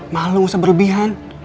malu gak usah berlebihan